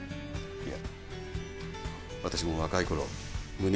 いや。